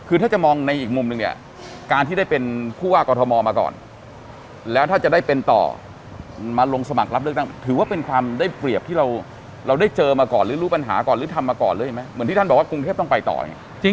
คือถ้าจะมองในอีกมุมนึงเนี่ยการที่ได้เป็นผู้ว่ากอทมมาก่อนแล้วถ้าจะได้เป็นต่อมาลงสมัครรับเลือกตั้งถือว่าเป็นความได้เปรียบที่เราได้เจอมาก่อนหรือรู้ปัญหาก่อนหรือทำมาก่อนหรืออีกไหมเหมือนที่ท่านบอกว่ากรุงเทพต้องไปต่อเนี่ย